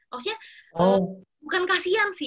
maksudnya bukan kasihan sih